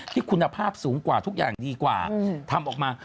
ที่คุณภาพสูงกว่าทุกอย่างดีกว่าทำออกมา